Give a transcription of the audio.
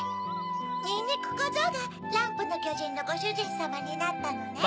にんにくこぞうがランプのきょじんのごしゅじんさまになったのね。